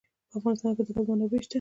په افغانستان کې د ګاز منابع شته.